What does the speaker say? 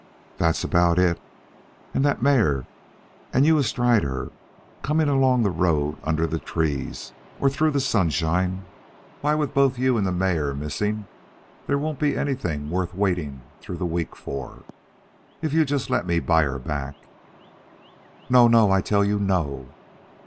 "That's about it. And that mare, and you astride of her, coming along the road under the trees or through the sunshine why, with both you and the mare missing, there won't be anything worth waiting through the week for. If you'd just let me buy her back " "No, no; I tell you no."